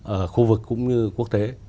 ở khu vực cũng như quốc tế